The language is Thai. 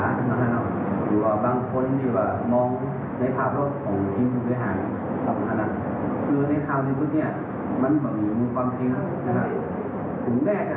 คือเขาโพฮอล์ทำงานทั้งสังมา